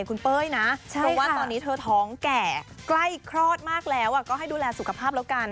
คุณเป้ยนะเพราะว่าตอนนี้เธอท้องแก่ใกล้คลอดมากแล้วก็ให้ดูแลสุขภาพแล้วกัน